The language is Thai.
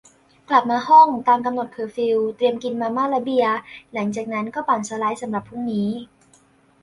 กลับมาห้อง ตามกำหนดเคอร์ฟิว เตรียมกินมาม่า และเบียร์ จากนั้นก็ปั่นสไลด์ สำหรับพรุ่งนี้